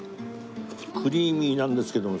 クリーミーなんですけどもですね